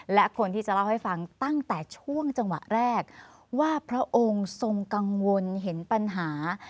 และคนที่จะเล่าให้ฟังตั้งแต่ช่วงจังหวะแรกว่าพระองค์ทรงกังวลเห็นปัญหา